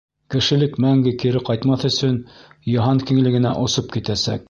Кешелек мәңге кире ҡайтмаҫ өсөн, йыһан киңлегенә осоп китәсәк.